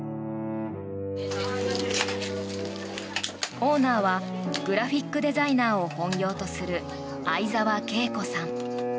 オーナーはグラフィックデザイナーを本業とするあいざわけいこさん。